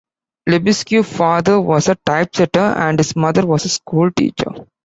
Lebesgue's father was a typesetter and his mother was a school teacher.